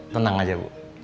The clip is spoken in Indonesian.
tenang aja bu